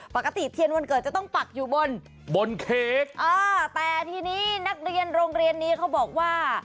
ปกติเทียนวันเกิดจะต้องปักอยู่บนบนเค้กอ่าแต่ทีนี้นักเรียนโรงเรียนนี้เขาบอกว่า